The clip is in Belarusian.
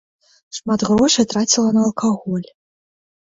Шмат грошай траціла на алкаголь.